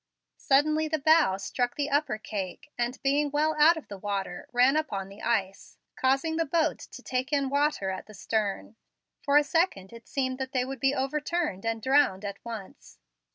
Suddenly the bow struck the upper cake, and, being well out of the water, ran up on the ice, causing the boat to take in water at the stern. For a second it seemed that they would be overturned and drowned at once.